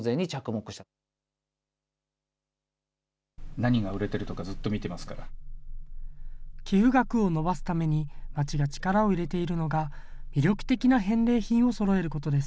何が売れてるとか、寄付額を伸ばすために、町が力を入れているのが、魅力的な返礼品をそろえることです。